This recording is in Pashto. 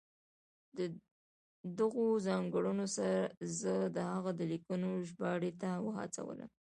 دغو ځانګړنو زه د هغه د لیکنو ژباړې ته وهڅولم.